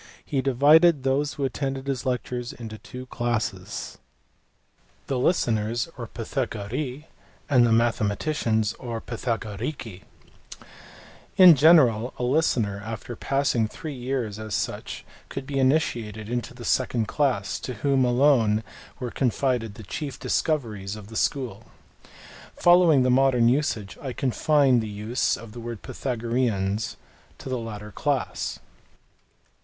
He divided those who attended his lectures into two classes, the listeners or TrvOayoptioi and the mathe maticians or TrvOay opt/cot. In general, a " listener" after passing three years as such could be initiated into the second class, to whom alone were confided the chief discoveries of the school. Following the modern usage I confine the use of the word Pythagoreans to the latter class.